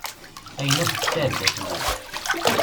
Ayen akk tesɛedda fell-i.